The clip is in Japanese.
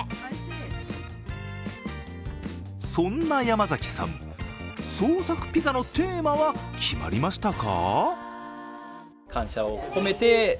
そんな山崎さん、創作ピザのテーマは決まりましたか？